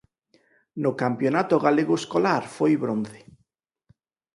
No campionato galego escolar foi bronce.